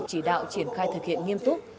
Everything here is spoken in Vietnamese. chỉ đạo triển khai thực hiện nghiêm túc